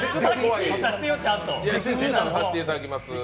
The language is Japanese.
いや、審査はさせていただきます。